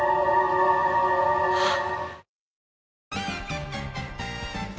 あっ！